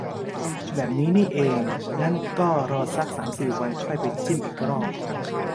แบบนี้นี่เอง งั้นก็รอซักสามสี่วันค่อยไปจิ้มอีกรอบ